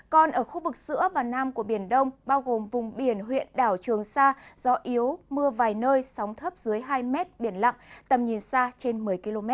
còn ở khu vực giữa và nam của biển đông bao gồm vùng biển huyện đảo trường sa gió yếu mưa vài nơi sóng thấp dưới hai m biển lặng tầm nhìn xa trên một mươi km